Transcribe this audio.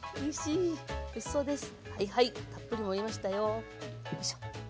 はいはいたっぷり盛りましたよ。